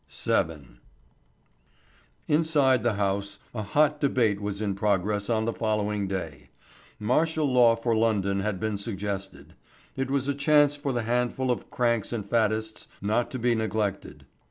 VII. Inside the House a hot debate was in progress on the following day. Martial law for London had been suggested. It was a chance for the handful of cranks and faddists not to be neglected.